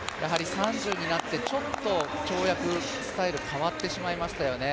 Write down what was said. ３０になってちょっと跳躍スタイルが変わってしまいましたよね。